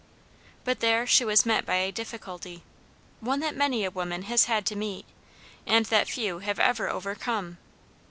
But there she was met by a difficulty; one that many a woman has had to meet, and that few have ever overcome.